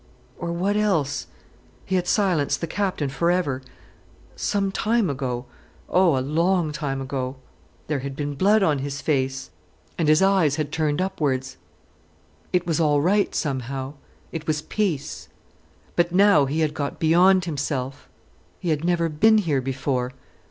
Or what else?—he had silenced the Captain for ever—some time ago—oh, a long time ago. There had been blood on his face, and his eyes had turned upwards. It was all right, somehow. It was peace. But now he had got beyond himself. He had never been here before.